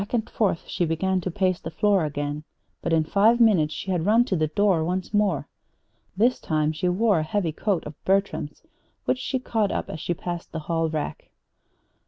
Back and forth she began to pace the floor again; but in five minutes she had run to the door once more. This time she wore a heavy coat of Bertram's which she caught up as she passed the hall rack.